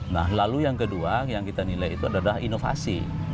nah lalu yang kedua yang kita nilai itu adalah inovasi